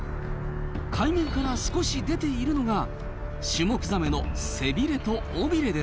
海面から少し出ているのがシュモクザメの背びれと尾びれです。